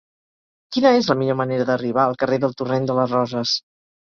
Quina és la millor manera d'arribar al carrer del Torrent de les Roses?